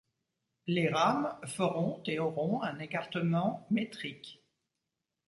Les rames feront et auront un écartement métrique.